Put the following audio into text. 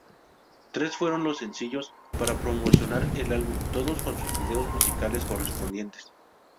Tres fueron los sencillos para promocionar el álbum, todos con sus videos musicales correspondientes.